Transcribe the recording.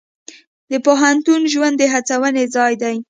د پوهنتون ژوند د هڅونې ځای دی.